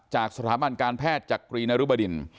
จากสถาบันการแพทย์จักรีนรุบดิน